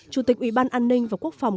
chủ tịch ủy ban an ninh và quốc phòng